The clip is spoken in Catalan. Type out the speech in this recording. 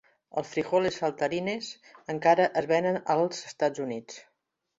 Els "Frijoles saltarines" encara es venen als Estats Units.